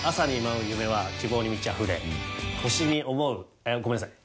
あごめんなさい